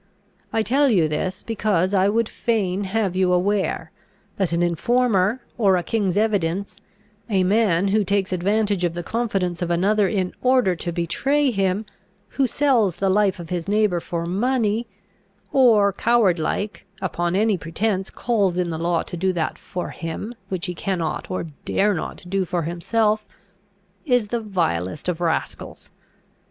I tell you this, because I would fain have you aware, that an informer or a king's evidence, a man who takes advantage of the confidence of another in order to betray him, who sells the life of his neighbour for money, or, coward like, upon any pretence calls in the law to do that for him which he cannot or dares not do for himself, is the vilest of rascals.